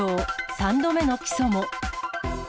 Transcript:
３度目の起訴も。